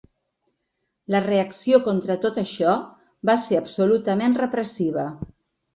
La reacció contra tot això va ser absolutament repressiva.